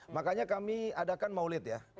makanya kami adakan maulid ya